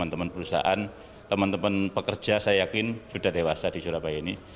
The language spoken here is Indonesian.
teman teman perusahaan teman teman pekerja saya yakin sudah dewasa di surabaya ini